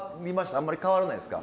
あんまり変わらないですか？